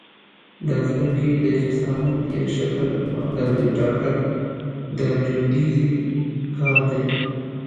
د ځمکې د جسامت یا شکل او اندازې ټاکل د جیودیزي کار دی